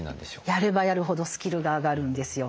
やればやるほどスキルが上がるんですよ。